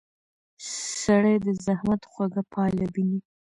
سړی د زحمت خوږه پایله ویني